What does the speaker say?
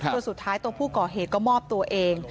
สุดท้ายตัวผู้ก่อเหตุก็มอบตัวเอง